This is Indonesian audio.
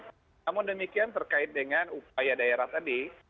namun demikian terkait dengan upaya daerah tadi